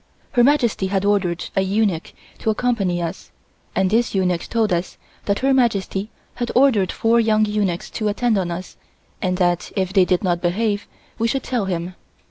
Her Majesty had ordered a eunuch to accompany us and this eunuch told us that Her Majesty had ordered four young eunuchs to attend on us and that if they did not behave, we should tell him.